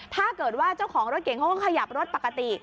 ถ้าเกิดว่าเจ้าของรถเก่งเขาก็ขยับรถปกติ